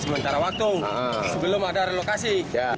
sementara waktu sebelum ada relokasi